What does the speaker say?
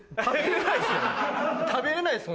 食べれないっすよ